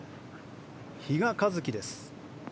比嘉一貴です。